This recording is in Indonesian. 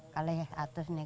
kalau yang atas ini